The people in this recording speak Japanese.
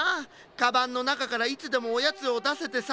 カバンのなかからいつでもおやつをだせてさ。